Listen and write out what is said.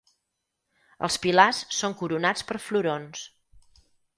Els pilars són coronats per florons.